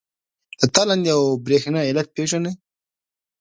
د تالندې او برېښنا علت پیژنئ؟